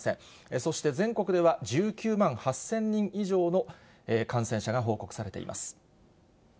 そして全国では、１９万８０００人以上の感染者が報告されています。